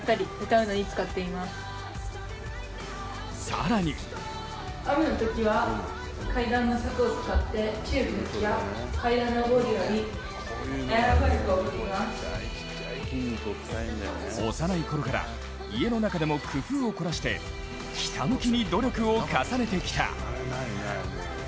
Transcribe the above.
更に幼いころから家の中でも工夫を凝らしてひたむきに努力を重ねてきた。